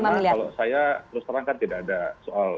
karena kalau saya terus terang kan tidak ada soal